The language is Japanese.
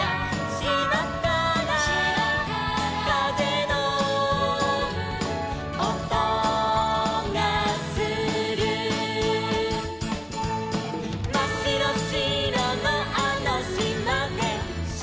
「しまからかぜのおとがする」「まっしろしろのあのしまで」